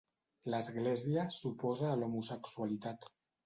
L'Església s'oposa a l'homosexualitat.